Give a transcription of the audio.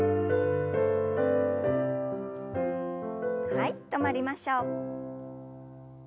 はい止まりましょう。